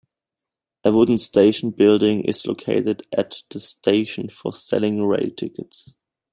A wooden station building is located at the station for selling rail tickets.